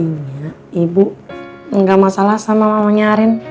intinya ibu enggak masalah sama mamanya arin